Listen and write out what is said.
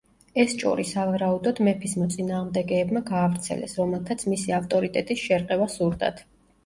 ეს ჭორი სავარაუდოდ მეფის მოწინააღმდეგეებმა გაავრცელეს, რომელთაც მისი ავტორიტეტის შერყევა სურდათ.